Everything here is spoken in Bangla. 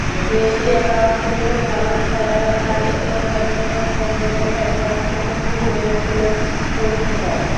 এশিয়া কাপ খেলতে ভারত ছাড়ার আগেই কলকাতা বিমানবন্দরে একবার মুখোমুখি হয়েছিলেন প্রশ্নটার।